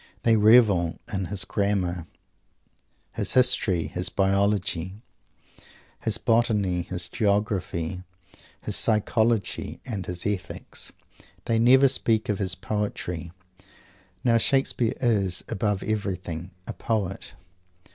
They revel in his Grammar, his History, his Biology, his Botany, his Geography, his Psychology and his Ethics. They never speak of his Poetry. Now Shakespeare is, above everything, a poet.